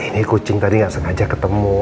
ini kucing tadi nggak sengaja ketemu